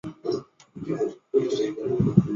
瓦兹省是法国皮卡迪大区所辖的省份。